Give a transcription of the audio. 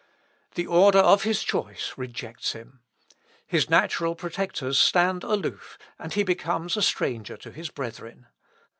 The order of his choice rejects him. His natural protectors stand aloof, and he becomes a stranger to his brethren.